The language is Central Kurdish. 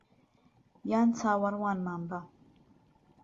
یان چاوەڕوانمان بە